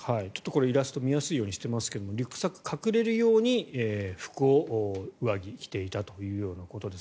イラスト見やすいようにしていますがリュックサックが隠れるように上着を着ていたということです。